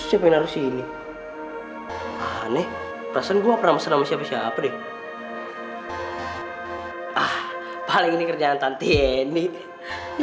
tapi kenapa nelponnya pakai nomer tante ini sih